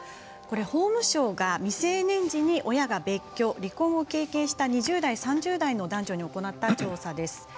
法務省が未成年時に親が別居、離婚を経験した２０代３０代の男女に行った調査です。